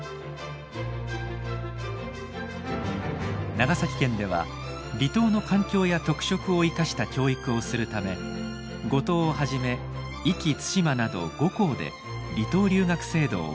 長崎県では離島の環境や特色を生かした教育をするため五島をはじめ壱岐対馬など５校で離島留学制度を行っています。